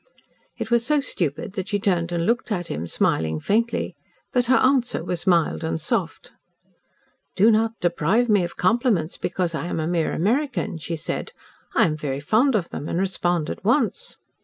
It was so stupid that she turned and looked at him, smiling faintly. But her answer was quite mild and soft. "Do not deprive me of compliments because I am a mere American," she said. "I am very fond of them, and respond at once."